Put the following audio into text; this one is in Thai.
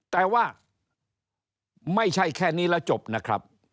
แต่ว่าไม่ใช่แค่นี้แล้วจบนะครับ